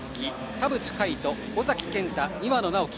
田渕海斗、尾崎健太、庭野直樹